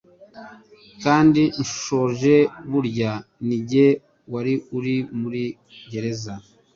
kandi nshonje. Burya ninjye wari uri muri gereza,